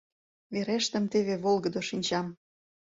Верештым теве волгыдо шинчам.